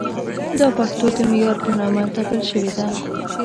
دا پښتو د معیار په نامه ټپل شوې ده.